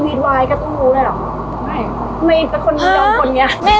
วีดวายก็ต้องรู้เลยเหรอไม่ไม่เป็นคนมียอมคนเนี้ย